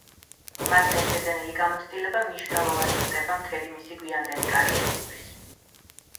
მათთან შეძენილი გამოცდილება მნიშვნელოვანი ხდება მთელი მისი გვიანდელი კარიერისთვის.